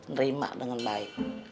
nerima dengan baik